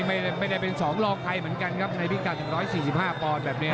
ไม่ได้เป็น๒รองใครเหมือนกันครับในพิกัด๑๔๕ปอนด์แบบนี้